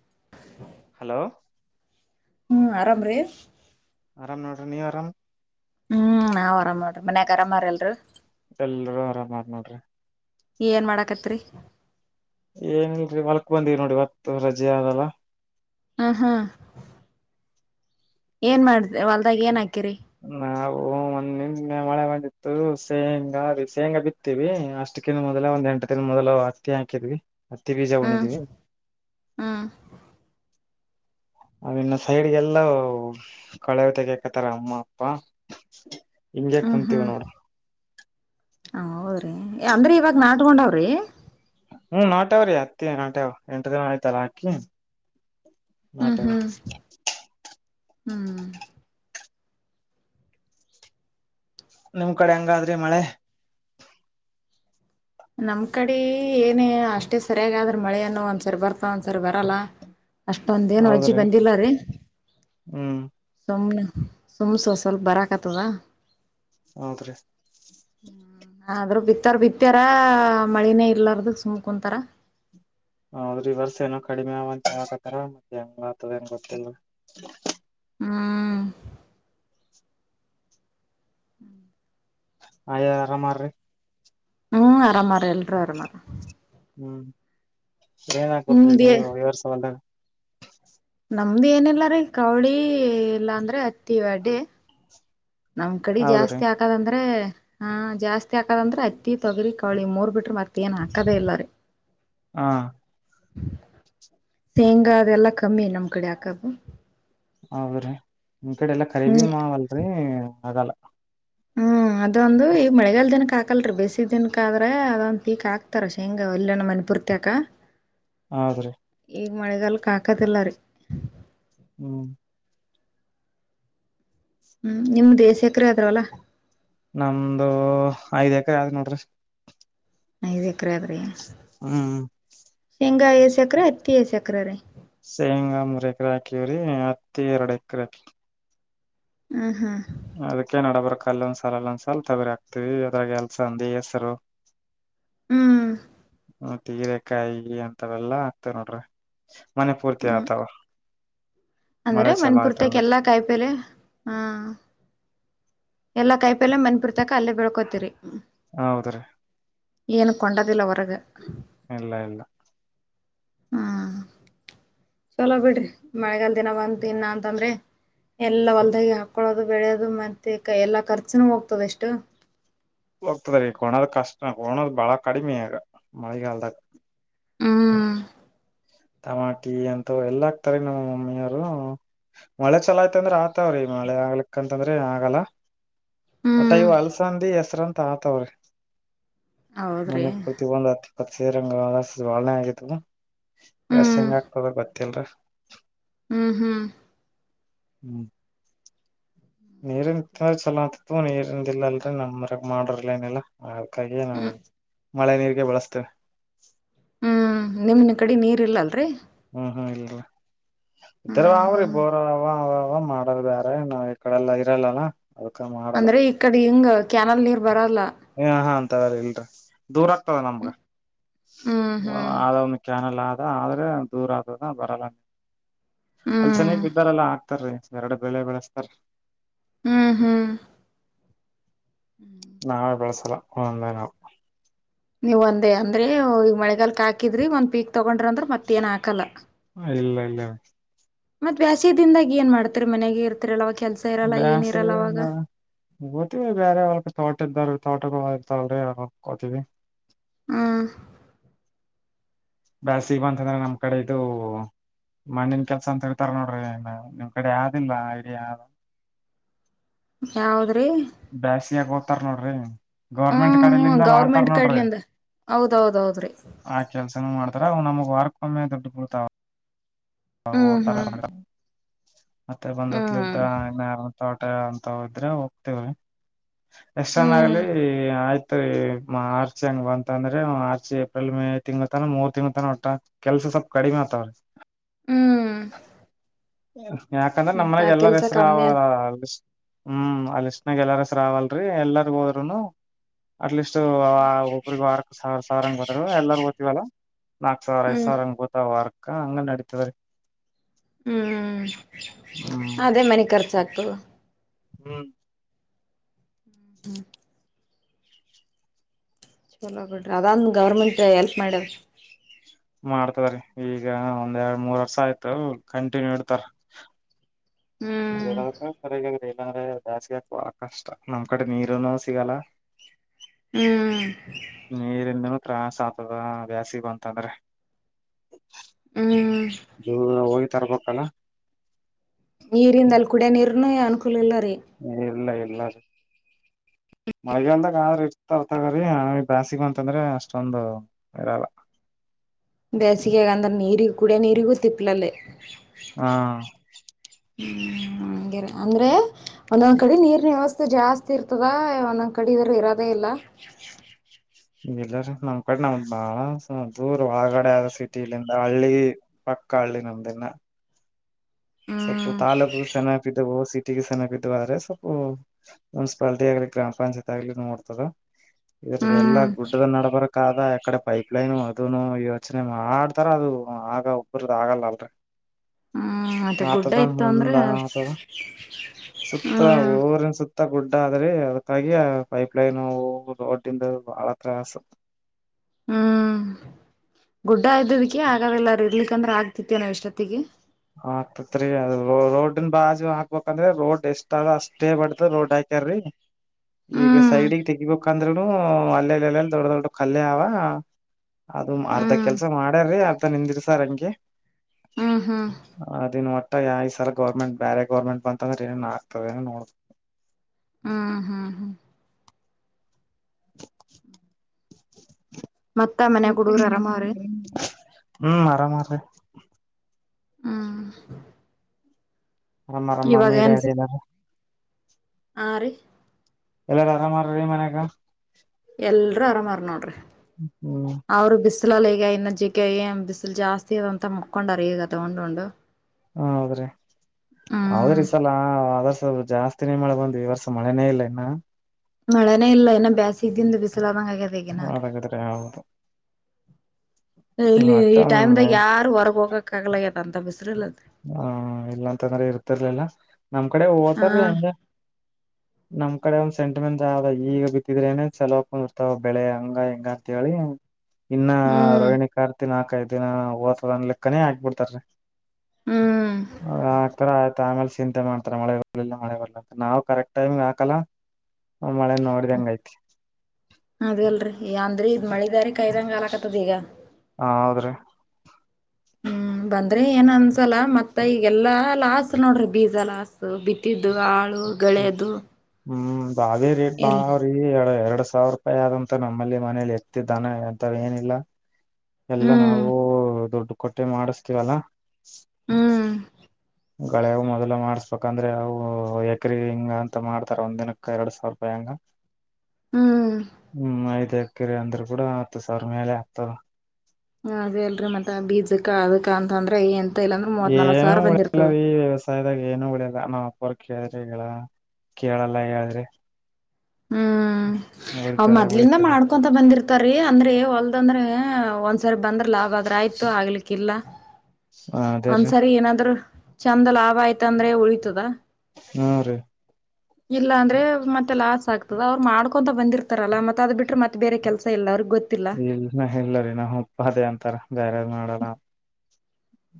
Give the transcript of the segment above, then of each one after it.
[inaudible] Hello ಹ್ಮ್ ಆರಾಮ್ರೀ ಆರಾಮ ನೋಡ ನೀವು ಆರಾಮ್ ಹ್ಮ್ ನಾವ್ ಆರಾಮ್ ನೋಡು ಮನ್ಯಗ ಅರಾಮಾರ ಎಲ್ರು ಎಲ್ರೂ [inaudible] ಏನ್ ಮಾಡಾಕತ್ರಿ ಏನಲ್ರಿ ಹೊಲ್ಕ್ ಬಂದಿವ ನೋಡಿವತ್ತು ರಜೆ ಆದಲ್ಲ ಹ ಹಾ ಏನ್ ಮಾಡ್ದ ಹೊಲ್ದಾಗ ಏನ್ ಆಗ್ತಿ ನಾವು ಮನ್ನಿ ಹ ಮಳೆ ಬಂದಿತ್ತು ಶೇಂಗಾ ಅ ಶೇಂಗಾ ಬಿತ್ತವಿ ಅಷ್ಟಕ್ಕಿನ್ ಮೊದಲ ಒಂದ್ ಎಂಟ ದಿನ ಮೊದಲು ಹತ್ತಿ ಹಾಕಿದ್ವಿ ಹತ್ತ ಬೀಜ ಹ್ಮ್ ಉಣ್ಣಿದ್ದೀವಿ ಹ್ಮ್ ಅವನ್ನ ಸೈಡ್ಗೆಲ್ಲ ಕಳೆ ತೆಗಕತಾರ ಅಮ್ಮ ಅಪ್ಪ ಹಂಗೆ ಕುಂತೀವಿ ನೋಡ ಹ ಹೌದ್ರಿ ಅಂದ್ರ ಇವಾಗ ನಾಟಕೊಂಡವ್ರಿ ಹ್ಮ್ ನಾಟ್ಯ ಅವ್ರಿ ಹತ್ತಿನಾಟೆವ ಎಂಟು ದಿನ ಆಯ್ತಲ್ಲ ಹಾಕಿ ನಾಟ್ಯವ ಹ್ಮ ನಿಮ್ ಕಡೆ ಹೆಂಗಾದ್ರಿ ಮಳೆ ನಮ್ ಕಡೆ ಏನೇ ಅಷ್ಟೇ ಸರಿಯಾಗ್ ಆದ್ರಿ ಮಳೆಯನ್ನು ಒಂದ್ಸರಿ ಬರ್ತಾ ಒಂದ್ಸರಿ ಬರಲ್ಲ ಅಷ್ಟೊಂದ ಏನು ವಜ್ಜಿ ಹೌದ್ರಿ ಬಂದಿಲ್ಲ ರೀ ಹ್ಮ್ ಸುಮ್ನೆ ಸಮೂಸ ಸಲ್ ಬರ ಕತಾ ಹೌದ್ರಿ ಅದ್ರು ಬೀ [unintelligible] ಮ ಮಳಿನೇ ಇರ್ಲಾರದು ಸುಮಕೊಂತಾರ ಹೌದ್ರಿ ವರ್ಸ ಏನೋ ಕಡಿಮೆ ಆಂತ ಹತರ ಮತ್ತೆ ಹೆಂಗ ಆತದ ಏನ್ ಗೊತ್ತಿಲ್ಲ ಹಾ ಆಯಾ ಆರಾಮಾರ ರೀ ಹ್ಮ್ ಅರಾಮಾರ ಎಲ್ರೂ ಅರ ಮಾರ ಹ್ಮ್ ಏನ್ಕ ಕೊಟ್ರಿ ನೀವು ಯವರ ಸವಲ್ ನಮ್ದ್ ಏನಲ್ಲ ರೀ ರೌಳಿ ಇಲ್ಲಾ ಅಂದ್ರೆ ಹತ್ತಿ ಅಡ್ಡಿ ನಮ್ ಕಡೆ ಹೌದ್ರಿ ಜಾಸ್ತಿ ಹಾಕದಂದ್ರೆ ಹಾ ಜಾಸ್ತಿ ಹಾಕದಂದ್ರ ಅತ್ತಿ ತೊಗರಿ ಕಳಿ ಮೂರ್ ಬಿಟ್ರ ಮತ್ತ ಏನ್ ಹಾಕದೇ ಇಲ್ಲರಿ ಹಾ ಶೇಂಗಾ ಅದೆಲ್ಲಾ ಕಮ್ಮಿ ನಮ್ ಕಡೆ ಯಾಕಬ ಅವ ನಿನ್್ ಕಡೆ ಎಲ್ಲ ಖರೀಬಿ ಹ್ಮ್ ಮಾವಲ್ರರಿ ಆಗಲ್ಲ ಇದೊಂದು ಈ ಮಳೆಗಾಲದಿನ ಹಾಲ್ರರಿ ಬೇಸದೀನ್ಕ ಆದ್ರೆ ಅದೊಂದ್ ಪೀಕ್ ಹಾಕ್ತಾರ ಶೇಂಗ ಒಲ್ಲನ ಮನೆ ಪುರ್ತಕ ಹೌದ್ರೀ ಈಗ ಮಳೆಗಾಲ ಕಾಕತಿಲ್ಲ ರೀ ಹ್ಮ್ ಹ್ಮ್ ನಿಮ್ದೇ ಸಖರೆ ಆದ್ರವಲ್ಲ ನಮ್ದು ಐದ್ ಎಕರ ಯಾವ್ದ್ ನೋಡ್ರಿ ನ ಇದೆೇಕ್ರಾದ್ರಾ ಹ್ಮ್ ಹೆಂಗಾಯ ಸಕರೆ ಹತ್ತಿ ಸಕರ ರ ಸೇಂಗಾ ಮೂರು ಎಕರಾ ಕಿೂರಿ ಹತ್ತಿ ಎರಡು ಎಕ್ರಾ ಹ ಹಾ ಅದಕೇ ನಡಬರ್ಕ್ ಅಲ್ಲೊಂದ್ಸಲ ಅಲ್ಲೊಂದ್ಸಲ್ ತೊಗರಿ ಆಕ್ತಿವಿ ಅದ್ರಾಗ ಎಲ್ಸ ಅಂದ ಹೆಸರು ಹ್ಮ್ ಮ ತೀರೆಕಾಯಿ ಅಂತವೆಲ್ಲಾ ಹಾಕ್ತವ ನೋಡ್ರಿ ಮನೆ ಪೂರ್ತಿ ಹ್ಮ್ ಆತಾವ ಅಂದ್ರೆ ಮಳೆ ಚಲೋ ಆಯ್ತ ಮನ್ಪುರ್ತಕ್ಕೆ ಅಂದ್ರ ಎಲ್ಲಾ ಕಾಯಿಪೇಲೆ ಹಾ ಎಲ್ಲ ಕೈ ಪೆಲ್ಲ ಮಂದನ್ ಬಿರ್ತಕ ಅಲ್ಲೇ ಬೆಳ್ಕೋತರಿ ಹ್ಮ ಹೌದ್ರಿ ಏನ್ ಕೊಂಡದಿಲ್ಲ ಹೊರಗ [inaudible] ಇಲ್ಲ ಇಲ್ಲ ಹಾ ಚಲೋ ಬಿಡ್ರಿ ಮಳೆಗಾಲ ದಿನ ಬಂದ ಇನ್ನ ಅಂತಂದ್ರೆ ಎಲ್ಲಾ ಹೊಲ್ದಾಗಿ ಹಾಕ್ಕೊಳೋದು ಬೆಳೆಯೋದು ಮತ್ತೆ ಎಲ್ಲಾ ಖರ್ಚನ ಹೋಗ್ತದೆ ಎಷ್ಟು ಹೋಗ್ತದೆ ಕೋಣದ ಕಷ್ಟ ಹೋಣದು ಬಾಳ ಕಡಿಮೆ ಆಗ ಮಳೆಗಾಲದ ಹ್ಮ ಟಮಾಟಿ ಅಂತ ಎಲ್ಲ ಹಾಕ್ತಾರೆ ನಮ್ಮ ಮಮ್ಮಿಯರು ಮಳೆ ಚಲ ಆಯತ ಅಂದ್ರ ಆತವ ರೀ ಮಳೆ ಆಗ್ಲಿಕ್ ಯಾಂತಂದ್ರೆ ಆಗಲ್ಲ ಒಟ ಹ್ಮ್ ಇವು ಅಲ್ಸಂದ ಹೆಸರಂತ ತಾ ತವ್ರಿ ಹೌದ್ರಿ ಮನ ಪ್ರತಿಬಂಧ ಪತ್ಸ ರಂಗ ಬಾಳನೆೇ ಆಗತದ ಎಸ್ ಹ್ಮ್ ಹೆಂಗ ಆಗ್ತದ ಗೊತ್ತಲ್ರ ಹ್ಮ್ ಹ್ಮ್ ಹ್ಮ್ ನೀರ ಚಲತ ನೀ ಇಲ್ಲ ಅಲ್ರಿ ನಮರಗ್ ಮಾಡರ್ಲ್ಲ ಏನಿಲ್ಲಾ ಕಿಯ ನವು ಹ್ಮ್ ಮಳೆ ನೀರಿಗೆ ಬಳಸ್ತ ಹ್ಞೂ ನಿಮ್ಮನ ಕಡೆ ನೀರಿಲ್ಲಲ್ ರರಿ ಹ್ಮ್ ಹ್ಮ್ ಇಲ್ಲರಿ ಇಧರ ಹ್ಮ್ ಅವ ರ ಹ್ಮ್ ಬರ ಅವ ಅವ ಮಾಡರ್ ಬ್ಯಾರೆ ನಾವ್ ಈ ಕಡೆಲ್ಲಾ ಇರಲ್ಲಲ್ಲ ಅದಕ ಮಾಡಲ್ಲ ಅಂದ್ರೆ ಈ ಕಡೆ ಇಂಗ ಕ್ಯಾನಲ್ ನೀರ್ ಬರಲ್ಲ ಹ ಹಾ ಅಂತವ್ರ ಇಲ್ರಿ ದೂರ ಆಗ್ತದೆ ನಮಗ ಹ್ಮ್ ಹ್ಮ್ ಆದ ಒಂದು ಕ್ಯಾನಲ್ ಆದ ಅದ ಆದ್ರೆ ದೂರ ಆದದ ಬರಲ್ಲ ನೀ ಅಲ್ಲಿ ಚೆನ ಹ್ಮ್ ಇದಿದ್ದಾರಲ್ಲ ಆ ತೀ ಎರಡು ಬೆೇಳೆ ಬೆಳೆಸ್ತಾರ ಹ್ಮ್ ಹ್ಮ್ ನಾವೇ ಬೆಳಸಲ್ಲ ಒಂದೇ ನಾವು ನೀವ್ ಒಂದೇ ಅಂದ್ರೆ ಈಗ ಮಳೆಗಾಲ್ಕ್ ಹಾಕಿದ್ರಿ ಒಂದ್ ಪೀಕ್ ತಗೊಂಡ್ರ ಅಂದ್ರ ಮತ್ತ ಏನ್ ಹಾಕಲ್ಲ ಇಲ್ಲ ಇಲ್ಲ ಮತ್ತತ್ ವ್ಯಾಸ್ಯದಿಂದಾಗಿ ಏನ್ ಮಾಡ್ತೀರಿ ಮನೆಗೆ ಇರ್ತೀರಲ್ಲ ಅವವ ಬಾಸಿಗೆ ಹತ್ತ ಬೇರೆಳ ತೋಟ ತೋಟ ಇರ್ತಲ್ಲರಿ ಕೊತವಿ ಹ್ಮ ಬ್ಯಾಸಗಿ ಬಂತು ಈಗ ಬಂತಂದ್ರೆ ನಮ್ ಕಡೆ ಇದು ಮಣ್ಣನ್ ಕೆಲ್ಸ ಅಂತ ಹೇಳ್ತಾರ ನೋಡ್ರಿ ನಿಮ್ ಕಡೆ ಯಾವ್ದಿಲ್ಲ ಐಡಿಯಾ ಯಾವ ಯಾವದ ಬ್ಯಾಸಗಿ ತ್ತಾರ್ ನೋಡ್ರಿ ಗೌರ್ಮೆಂಟ್ ಹ್ಮ್ ಹ್ಮ್ ಕಡಲಿಂದ ಮಾಡ್ತಾರ್ ಗೌರ್ಮೆಂಟ್ ನೋಡ್ರಿ ಕಡ್ಲಿಂದ ಹೌದೌದೌದ್ರಿ ಆ ಕೆಲ್ಸನ ಮಾಡ್ತ ಅರ ನಮಗೆ ವರ್ಕಮೆ ದುಡ್ ಕೊತ ಹ ಹ್ಮ್ ತಾರೆ ಹ್ಮ್ ಮೇಡಮ್ ಮತ್ತೆ ಬಂದತ್ಲ್ದ ಹ್ಮ್ [unintelligible] [unintelligible] ಎಷ್ಟ ಜ ಹ್ಮ್ ಆಗ್ಲಿ ಆಯ್ತ ಮರಿ ಮಾರ್ಚ್ ಹೆಂಗ್ ಬಂತ ಅಂದ್ರೆ ಮಾರ್ಚ್ ಏಪ್ರಿಲ್ ಮೇ ತಿಂಗಳ ತನ ಮೂರ್ ತಿಂಗಳ ತನ ಒಟ್ಟ ಕೆಲ್ಸ ಸ್ವಲ್ಪ ಕಡಿಮೆ ಆತವ್ರೀ ಹ್ಮ್ ಹ [unintelligible] ಯಾಕಂದ್ರೆ ಮತ್ತ ನಮ್ಮ್ನೆಗೆ ಆ ಎಲ್ಲರ ಕೆಲ್ಸ ಹೆಸರ ಅವ ಕಮ್ಮಿ ಆಗ್ ಹ್ಮ್ ಅ ಲಿಸ್ಟನಿಯಾಗ್ ಎಲ್ಲಾರ ಹೆಸರ ಎಲ್ಲಾರ್ ಹೋದ್ರೂನು ಅಟ್ ಲೀಸ್ಟ್ ಒಬ್ರಿಗೆ ವಾರಕ್ ಸಾವಿರ ಸಾವರಂಗ ಗತ್ತ ಎಲ್ಲಾರೂ ಗೊತ್ತವಲ್ಲಾ ನಾಕ್ ಸಾವಿರ ಐದ ಹ್ಮ್ ಸಾವಿರ ಹಂಗ ಗತ ವಾರಕ್ ಹಾ ಅಂಗ ನಡತವ ಹ್ಞ ಅದೇ ಮನೆ ಖರ್ಚಾಗ್ತದೆ ಹ್ಮ್ ಹ್ಮ್ ಹ್ಮ್ ಚಲೋ ಬಿಡ್ರಿ ಅದಂದು ಗೌರ್ಮೆಂಟ್ ಎಲ್ಪ್ ಮಾಡ್ಯದು ಮಾಡ್ತದ್ರ ಈಗ ಒಂದ್ ಎರಡ್ ಮೂರ್ ವರ್ಷ ಆಯ್ತು ಕಂಟಿನ್ಯೂ ಇಡ್ತಾರ ಹ್ಮ್ ಅದೇ ಸರ ಇಲ್ಲಾಂದ್ರೆ ಜಾಸ್ತಿ ಹಾಕುವ ಕಷ್ಟ ನಮ್ ಕಡೆ ನೀರನು ಸಿಗಲ್ಲ ಹ್ಮ್ ನೀರಿನ ದಿ ತ್ರಾಸ ಅಗತಾದ ಬ್ಯಾಸಗಿ ಬಂತ್ ಅಂದ್ರೆ ಹ್ಮ್ ತರ್ಬೇಕಲ್ಲ ನೀರಿಂದ ಅಲ್ಲಿ ಕುಡಿಯ ನೀರನು ಅನುಕೂಲ ಇಲ್ಲ ರೀ ಇಲ್ಲ ಇಲ್ಲ ಸ ಮಳೆಗಾಲದಾಗ ಆದ್ರ ಇರ್ತಾರತಗ್ರೀ ಆದರೆ ಬ್ಯಾಸಗಿ ಬಂತ ಅಂದ್ರೆ ಅಷ್ಟೊಂದು ಇರಲ್ಲ ಬ್ಯಾಸಗ್ಯಾಗ ಅಂದ್ರ ನೀರ ಇ ಕುಡಿಯ ನೀರುಗೂ ತಿಪ್ಪಲ್ ಅಲ್ಲಿ ಹಾ ಹ್ಮ್ ಹಂಗಿಲ್ಲ ಅಂದ್ರೆ ಒಂದೊಂದ್ ಕಡೆ ನೀರ್ನ ವ್ಯವಸ್ಥೆ ಜಾಸ್ತಿ ಇರ್ತದ ಒಂದೊಂದ್ ಕಡೆ ಇರೋದೇ ಇಲ್ಲ. ಇಲ್ಲಾರ ನಮ್ ಕಡೆ ನಮ್ದ ಬಾಳ ದೂರ ಒಳಗಡೆ ಆದ ಸಿಟಿಲ್ಲಿಂದ ಹಳ್ಳಿ ಪಕ್ಕ ಹಳ್ಳಿ ನಮ್ದಿನ. ಸ್ವಲ್ಪ ಹ್ಮ್ ತಾಲೂಕು ಚೆನ್ನಾಗಿದ್ದವು ಸಿ ಟ್ಟಿಗೆ ಸೆನ್ ಆದ್ರೆ ಸ್ವಲ್ಪ ಮುನ್ಸಿಪಾಲಿಟಿ ಆಗಲಿ ಗ್ರಾಮ ಪಂಚಾಯತ್ ಆಗ್ಲಿ ನೋಡ್ತದ. ಇವೆಲ್ಲಾ ಹ್ಮ್ ಗುಡ್ಡದ ನಡಬರಕ್ ಆದ ಅ ಕಡೆ ಪೈಪ್ಲೈನು ಅದನು ಯೋಚನೆ ಮಾಡ್ತಾರ ಅದು ಆಗ ಒಬರದ ಆಗಲ್ಲಲ್ರ. ಹ್ಮ್ ಮತ್ತೆ ಗುಡ್ಡ ಆತದ ಇತ್ತು ಅಂದ್ರೆ ಮುಂದ ಆತದ ಸುತ್ತ ಹ್ಮ್ ಊರಿನ್ ಸುತ್ತ- ಗುಡ್ಡ ಆದ ರಿ ಅದಕ್ಕಾಗಿ ಆ ಪೈಪ್ಲೈನು ರೋಡ್ದ ಬಹಳ ತ್ರಾಸ. ಹ್ಮ್ ಗುಡ್ಡ ಆಯ್ದದಕ್ಕೆ ಆಗ ಎಲ್ಲಾರ ಇರ್ಲಿಕ್ಕಂದ್ರೆ ಆಗ್ತತಿ ಏನೋ ಇಷ್ಟೊತ್ತಿಗೆ. ಆಗ್ತೇತ್ ರೀ ಅದ ರೋಡ್ನ್ ಬಾಜು ಹಾಕ್ಬೇಕಂದ್ರೆ ರೋಡ್ ಎಷ್ಟದ ಅಷ್ಟೇ ಬಡ್ದ ರೋಡ್ ಹಾಕ್ಯಾರಿ ಈಗ ಹ್ಮ್ ಸೈಡಗ್ ತೆಗಿಬೇಕಂದ್ರೂನು ಅಲ್ಲಲ್ಲಿ ಅಲ್ಲಲ್ ದೊಡ್ಡ ದೊಡ್ಡ ಕಲ್ಲು ಅವ ಅದು ಅರ್ಧ ಹ್ಮ್ ಕೆಲ್ಸ ಮಾಡ್ಯಾರ್ರೀ ಅರ್ಧ ಅಂಗೆ ನಿಂದಿರ್ಸಾರ್ ಹಂಗೆ. ಹಾ ಹಾ ಅದನ್ ಒಟ್ಟ ಯಾವ್ ಸಲ ಗೌರ್ಮೆಂಟ್ ಬೇರೆ ಗೌರ್ಮೆಂಟ್ ಬಂತ ಅಂದ್ರೆ ಏನನ್ ಆಗ್ತವ ಏನ ನೋಡ್- ಹ್ಮ್ ಹ್ಮ್ ಹ್ಮ್ ಮತ್ತ ಮನ್ಯಾಗ ಹುಡುಗರು ಆರಾಮ ಅವ್ರಿ ಹ್ಮ್ ಆರಾಮ್ ಹಾ ಆರಮ್ಮ ರಮ್ಮ ಮಮ್ಮಿ-ಡ್ಯಾಡಿ ಆರಾಮ್ ಇದರ. ಆರಿ. ಎಲ್ಲಾರ ಆರಾಮಾರೀ ಮನ್ಯಾಗ. ಎಲ್ರ ಆರಾಮಾರ ನೋಡ್ರಿ. ಹ್ಮ್ ಬಿಸಿಲಲ್ಲಿ ಈಗ ಇನ್ನಜ್ಜಿಗೆ ಏ ಬಿಸಿಲು ಜಾಸ್ತಿ ಇ ಅಂತ ಮುಕೊಂಡರ್ ಈಗ ತಗೊಂಡ ಉಂಡು ಉಂಡು. ಹ ಹೌದ್ರಿ ಹ್ಮ್ ಹೌದ್ರಿ ಸಲ ಆದ ಸ್ವಲ್ಪ ಜಾಸ್ತಿನೇ ಮಳೆ ಬಂದು ಈ ವರ್ಷ ಮಳೆನೇ ಇಲ್ಲ ಇನ್ನ- ಮಳೆನೇ ಇಲ್ಲ ಏನ ಬ್ಯಾಸಿದಿಂದ ಬಿಸಲಂಗ ಅದ. ಹದಾಗಾದ್ರೆ ಹೌದು. ಇಲ್ಲಿ ಒಟ್ಟ ಈ ಟೈಮ್ ದಾಗ ಯಾರು ಹೊರಗ ಹೋಗಕ್ ಆಗಲಾಗ್ಯಾದ. ತ [inaudible] ಹಾ ಇಲ್ಲಾಂತಂದ್ರೆ ಇರ್ತಿರ್ಲಿಲ್ಲ ನಮ್ ಕಡೆ ಹಾ ಹೋಗತಾರೀ ಹಂಗೇನಿಲ್ಲ. ನಮ್ ಕಡೆ ಒಂದ್ ಸೆಂಟಿಮೆಂಟ್ ಆದ ಈಗ ಬಿತ್ತಿದ್ರೆ ನೇ ಚಲೋ ಕುದುರುತ್ತವ ಬೆಳೆ ಹಂಗ ಹೆಂಗ ಅರ್ತಿ ಇನ್ನ ಹ್ಮ್ ರೋಹಿಣಿ ಕಾರ್ತಿನ. ಅಕೈ ದಿನ ಓದತದ ಅನ್ಲಿ ಕನೇ ಹಾಕಿಬಿಡುತ್ತಾರೆ. ಹ್ಮ್ ಹ ತರ. ಆಮೇಲೆ ಚಿಂತೆ ಮಾಡ್ತಾರ ಮಳೆ ಬರ್ಲಿಲ್ಲ ಮಳೆ ಬರ್ಲ್ಲ ಅಂತ ನಾವು ಕರೆಕ್ಟ್ ಟೈಮ್ಗೆ ಹಾಕಲ್ಲ. ಮಳೆ ನೋಡಿದಂಗ ಐತಿ ಅದ ಅಲ್ರಿ ಅಂದ್ರಿ ಮಳಿ. ದಾರಿ ಕಾಯ್ದಂಗ ಈಗ. ಹಾ ಹೌದ್ರಿ. ಹ್ಮ್ ಬಂದ್ರೆ ಏನ್ ಅನ್ಸಲ್ಲ ಮತ್ತ ಈಗೆಲ್ಲಾ ಲಾಸ್ ನೋಡ್ರಿ ಬೀಜ ಲಾಸ್ ಬಿತ್ತಿದ್ದು ಆಳು. ಗಳೆದು ಹ್ಮ್ ಅವೇ ರೇಟ್ ಬಾಳ ಎಲ್ಲ ಅವ್ರೀ ಎರಡ್ ಸಾವಿರ ರೂಪಾಯಿ ಆದಂತ ನಮ್ಮಲ್ಲಿ ಮನೇಲಿ ಎತ್ತತಿದ್ದ್ನ ಅಂತ ಏನಿಲ್ಲ ಎಲ್ಲಾ ಹ್ಮ್ ನಾವವು ದೊಡ್ ರೊಟ್ಟಿ ಮಾಡಿಸ್ತೀವಲ್ಲಾ ಹ ಹ್ಮ್ ಗಳೆಾಗ ಮೊದ್ ಮಾಡ್ಸ್ಬೇಕಂದ್ರೆ ಅವು ಎಏಕ್ರ ಹಿಂಗ ಅಂತ ಮಾಡ್ತಾರ ಒಂದ್ ದಿನಕ್ಕ ಎರಡ್ ಸಾವಿರ ರೂಪಾಯಿ ಹಂಗ ಹ್ಮ್ ಹ್ಮ್ ಆಯ್ತಾಯತ ಕೆರೆ ಅಂದ್ರರು ಕೂಡ ಹತ್ತು ಸಾವರ ಮೇಲೆ ಆಗ್ತವ ಹ ಅದೇ ಅಲ್ರರಿ ಮತ್ತತ್ ಬೀಜಕ್ಕ ಅದಕ್ಕ ಅಂತಂದ್ರೆ ಏನ್ ಏನು ಉಳಿಯಲ್ಲ ರೀ ವ್ಯವಸಾಯದಾಗ ಏನು ಉಳಿಯದ ನಾವ್ ಪರ್ ಕೇಳಿದ್ರೆ ಹೇಳ ಕೇಳಲ್ಲ ಹೇಳಿದ್ರೆ ಹ್ಮ ಅವ್ ಮೊ್ಲಿಂದ ಉಳಿತದ ಮಾಡ್ಕೊಂತ ಬಂದಿರ್ತ ತಾರರಿ ಅಂದ್ರೆ ಹೊಲ್ದಂದ್ರೆ ಒಂದ್ಸರಿ ಬಂದ್ರ ಲಾಭದ್ರ ಆಯ್ತು ಆಗ್ಲಿಕ್ಕಿಲ್ಲ ಹ ಅದೇರೀ ಒಂದ್ಸರಿ ಏನಾದ್ರುೂ ಚಂದ ಲಾಭ ಆಯ್ತ ಅಂದ್ರೆ ಉಳಿತದ ಹಾ ರೀ ಇಲ್ಲ ಅಂದ್ರೆ ಮತ್ತೆಲ್ಲ ಆ ಆಗ್ತದ ಅವ್ ಮಾಡ್ಕೊಂತ ಬಂದಿರ್ತಾರಲ್ಲ ಮತ್ತೆ ಅದು ಬಿ್ರೆ ಮತ್ತೆ ಬೇರೆ ಕೆಲಸ ಇಲ್ಲ ಅವ್ರಿಗೆ ಇಲ್ನ ಇಲ್ಲರಿೀ ನಾ ಉಪ್ಪ ಅದೇ ಅಂತಾರ ಜಾರ್ಯಾರು ಮಾಡಲ್ಲ [inaudible] [unintelligible]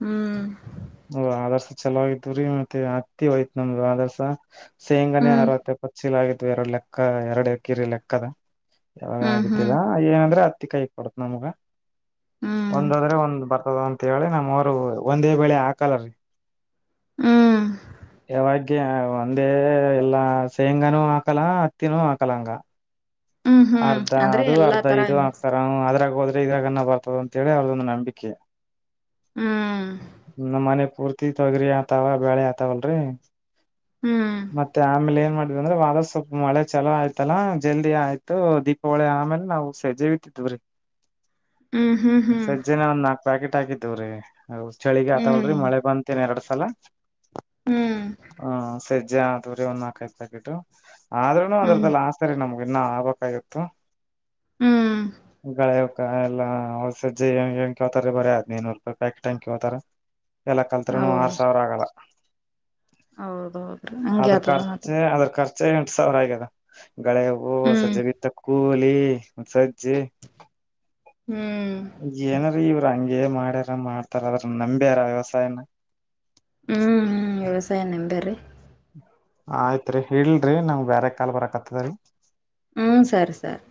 ಹ್ಮ್ ಹ ಆದರ್ಸ ಚಲಾಗಿದವ್ರೀ ಮತ್ತೆ ಅತ್ತಿ ಹಯ್ತ್ ನಮ್ದು ಆದರ್ಸ ಶೇಂಗಾನೆ ಹ್ಮ್ ಅರವತ್ತ ಪಚ್ಚಿಲ ಆ ಎರಡು ಲೆಕ್ಕ ಎರಡು ಕಿರಿ ಲೆಕ್ಕ ಅದ ಯಾವಾಗ ಹ್ಮ್ ಹ್ಮ್ ಆಗತಿಿಲ್ಲ ಏನಂದ್ರೆ ಿಕೈ ಪಡತ ನ ಮುಗ ಹ್ಮ್ ಒಂದಾದ್ರೆ ಒಂದು್ ಬರ್ತದ ಅಂತ ಹೇಳಿ ನಮ್ಮವರು ಒಂದೇ ಬೆಳೆ ಹಾ ಕಲರ್ ರೀ ಹ್ಮ್ ಯಾವಾಗ್ಯ ಒಂದೇ ಎಲ್ಲಾ ಶೇಂಗಾನೂ ಹಾಕಲ್ಲ ಹತ್ತಿನೂ ಹಾಕಲ ಹಂಗ ಹ್ಮ್ ಹ್ಮ್ ಅರ್ಧ ಅಂದ್ರೆ ಅದು ಎಲ್ಲಾ ಅರ್ಧ ತರ ಇದು ಮಿಕ್ಸ್ ಹಾಕ್ತಾರ ಅದ್ರಾಗ ಹೋದ ಇದಾಗನ್ನ ಬರ್ತದ ಅಂತ ಹೇಳಿ ಅವ್ರದೊಂದು ನಂಬಿಕೆ ಹ್ಮ್ ನ ಮನೆ ಪೂರ್ತಿ ತೊಗ್ರಿ ಆತಾವ ಬಳೆ ಆತಾವಲ್ರರಿ ಹ್ಮ್ ಮತ್ತೆ ಆಮೇಲೆ ಏನ್ ಮಾಡ ಂದ್ರೆ ವಾರ ಸ್ವಲ್ ಮಳೆ ಚಲೋ ಆಯ್ತಲ್ಲಾ ಜಲ್ದಿ ಆಯ್ತ ದೀಪಾವಳಿ ಆ ಮೇಲೆ ನವು ಸೇಜೆವಿ ತಿದ್ದವ ರರಿ ಹ್ಮ್ ಹ್ಮ್ ಹ್ಮ್ ಕಿದ್ದವ್ರೀ ಹೌ ಚಳಿಗ್ ಆತಳರಿ ಹ್ಮ್ ಮಳ ಬಂತೇನ್ ಎರಡು ಹಲ ಹ್ಮ್ ಹಾ ಸರಿ ಅಜ್ಜ ಅ ದೂರಿ ಒಂದ ಹಾಕೈತಕಿಟ್ಟು ಆದ್ರೂನು ಹ್ಮ್ ಅದ್ರದಲ್ಲ ಆಸ್ತಾರೆ ನಮಗೆ [unintelligible] ಆತ್ತು ಹ್ಮ್ ಗಳ ಎಲ್ಲಾಸಜ್ಜೆ ಹೆಂಗ ಹೆಂಗತಾರ ಬರಿಯ ಆದ್ನ ಇನೂರು ರೂಪಾಯಿ ಪ್ಯಾಕೆಟ್ ಹೆಂಗಂ ಕ ಹೋತಾರ ಎಲ್ಲ ಕಲ್ತ್ರುನು ಆರ್ ಸಾವಿರ ಆಗಲ್ಲ ಹೌದೌದ್ರೀ ಹಂಗಗೆ ಆತದ ಮತ್ರ ಎಂಟು ಸಾವಿರ ಆಗದ ಗಳೆ ಹೋಗವು ಹ್ಮ್ ಸಜೆಬ ಕಲಿ ಹಸ ಹ್ಮ್ ಏನ ರೀ ಇವ್ರಾಂಗ ಏ ಮಾಡ್ಯಾರ ಮಾಡ್ತಾರದ್ರ ನಂಬ್ಯಾರ ವ್ಯವಸಾಯನ ಹ್ಮ್ ಹ್ಮ್ ವ್ಯವಸಾಯ ನೆಂಬೇರಿ ಆಯ್ತ್ರಿರಿ ಹೇಳಲ್ರಿ ನಮ್ ಬೇರೆ ಕಾಲ್ ಬರಕತ್ತದರಿ ಹ್ಮ ಸರಿ ಸರಿ